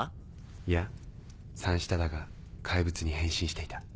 いや三下だが怪物に変身していた。